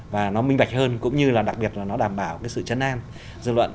và nó minh bạch hơn cũng như là đặc biệt là nó đảm bảo cái sự chấn an dư luận